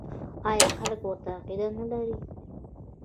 آیا خلک ورته عقیده نلري؟